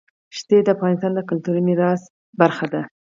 ښتې د افغانستان د کلتوري میراث برخه ده.